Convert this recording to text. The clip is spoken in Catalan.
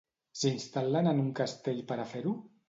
S'instal·len en un castell per a fer-ho?